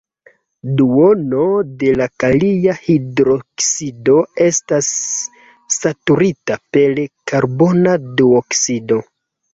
Duono de la kalia hidroksido estas saturita per karbona duoksido.